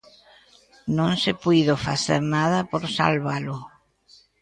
Non se puido facer nada por salvalo.